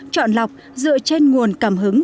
chọn lọc dựa trên nguồn cảm hứng